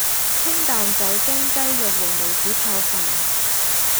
清淡酒蒸雞肉和梅子泡飯